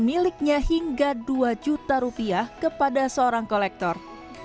miliknya hingga dua juta rupiah kepada seorang kolektor